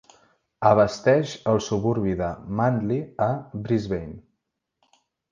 Abasteix el suburbi de Manly a Brisbane.